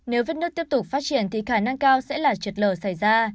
nếu vết nước tiếp tục phát triển thì khả năng cao sẽ là trượt lở xảy ra